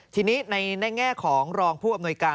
ทีนี้ในแง่ของรองผู้อำนวยการ